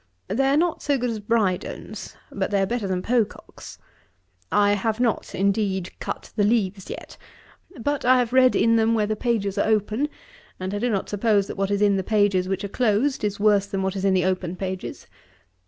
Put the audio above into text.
They are not so good as Brydone's, but they are better than Pococke's. I have not, indeed, cut the leaves yet; but I have read in them where the pages are open, and I do not suppose that what is in the pages which are closed is worse than what is in the open pages.